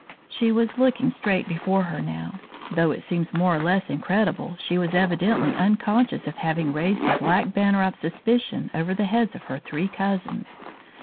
She was looking straight before her now. Though it seems more or less incredible, she was evidently unconscious of having raised the black banner of suspicion over the heads of her three cousins.